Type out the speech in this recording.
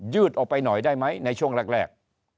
ืดออกไปหน่อยได้ไหมในช่วงแรก